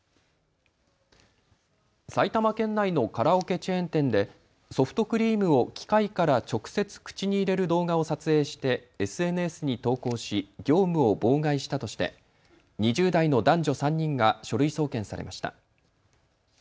埼玉県内のカラオケチェーン店でソフトクリームを機械から直接口に入れる動画を撮影してＳＮＳに投稿し、業務を妨害したとして２０代の男女３人が書類送検されました。